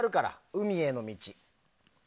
「海への道」。